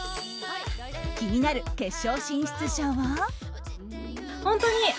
気になる決勝進出者は。